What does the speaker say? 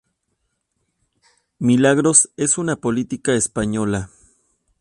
Milagros es una política española.